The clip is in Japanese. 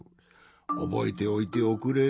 おぼえておいておくれ。